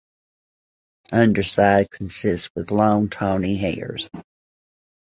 Underside consists with long tawny hairs.